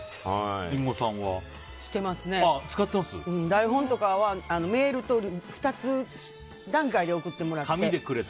台本とかは、メールと２つ段階で送ってもらって。